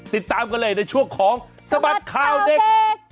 ติดตามกันเลยในช่วงของสบัดข่าวเด็ก